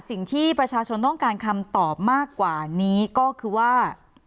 สิ่งที่ประชาชนต้องการคำตอบมากกว่านี้ก็คือว่า